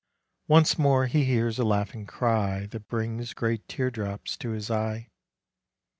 Once more he hears a laughing cry That brings great tear drops to his eye.